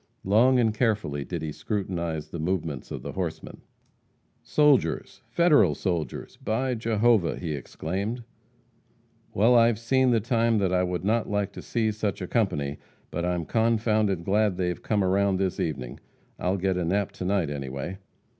Long and carefully did he scrutinize the movements of the horsemen. "Soldiers Federal soldiers by Jehovah!" he exclaimed. "Well, I've seen the time that I would not like to see such a company, but I'm confounded glad they've come around this evening. I'll get a nap to night, anyway."